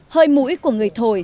hơi mũi của người thổi